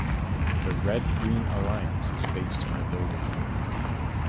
The Red–Green Alliance is based in the building.